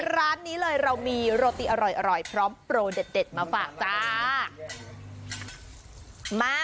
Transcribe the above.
ร้านนี้เลยเรามีโรตีอร่อยพร้อมโปรเด็ดมาฝากจ้า